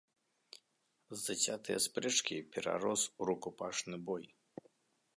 Зацятыя спрэчкі перарос у рукапашны бой.